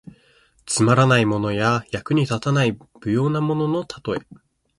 つまらないものや、役に立たない無用なもののたとえ。